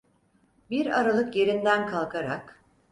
Bir aralık yerinden kalkarak: